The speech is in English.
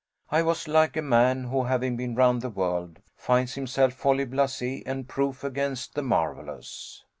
I was like a many who, having been round the world, finds himself wholly blase and proof against the marvelous.